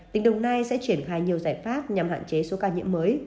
tỉnh đồng nai sẽ triển khai nhiều giải pháp nhằm hạn chế số ca nhiễm mới